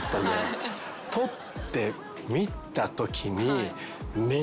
撮って見たときに。